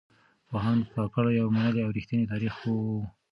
پوهاند کاکړ يو منلی او رښتينی تاريخ پوه و.